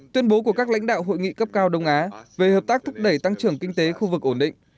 tuyên bố của các lãnh đạo hội nghị cấp cao đông á về hợp tác thúc đẩy tăng trưởng kinh tế khu vực ổn định